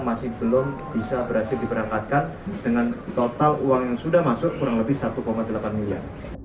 masih belum bisa berhasil diberangkatkan dengan total uang yang sudah masuk kurang lebih satu delapan miliar